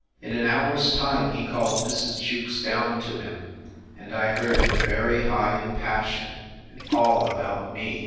In an hour's time he called Mrs. Jewkes down to him! And I heard him very high in passion: and all about me!